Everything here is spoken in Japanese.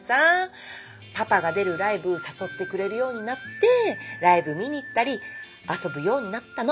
パパが出るライブ誘ってくれるようになってライブ見に行ったり遊ぶようになったの。